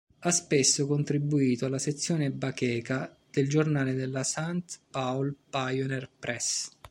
Ha spesso contribuito alla sezione “Bacheca” del giornale della St. Paul Pioneer Press.